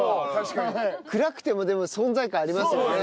暗くてもでも存在感ありますよね。